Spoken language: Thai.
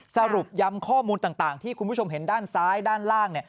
สรุปย้ำข้อมูลต่างที่คุณผู้ชมเห็นด้านซ้ายด้านล่าง